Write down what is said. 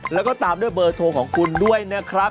แล้วก็ตามด้วยเบอร์โทรของคุณด้วยนะครับ